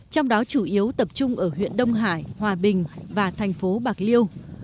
trong đó chủ yếu tập trung ở huyện đông hải hòa bình và thành phố bạc liêu